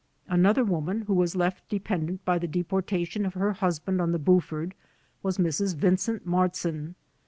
Another woman who was left dependent by the depor tation of her husband on the "Buford" was Mrs. Vincent Martzin.